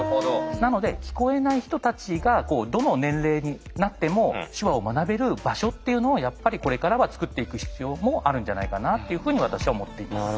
なので聞こえない人たちがどの年齢になっても手話を学べる場所っていうのをやっぱりこれからは作っていく必要もあるんじゃないかなというふうに私は思っています。